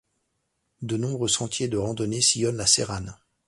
De nombreux sentiers de randonnée sillonnent la Séranne.